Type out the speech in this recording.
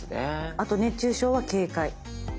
あと熱中症は警戒。